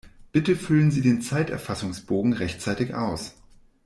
Bitte füllen Sie den Zeiterfassungsbogen rechtzeitig aus!